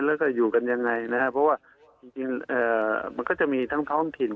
แล้วก็อยู่กันยังไงนะครับเพราะว่าจริงมันก็จะมีทั้งท้องถิ่น